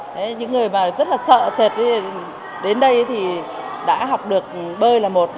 đấy những người mà rất là sợ sệt đến đây thì đã học được bơi là một